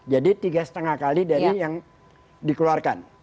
jadi tiga lima kali dari yang dikeluarkan